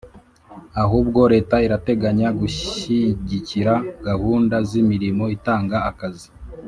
ahubwo leta irateganya gushyigikira gahunda z'imirimo itanga akazi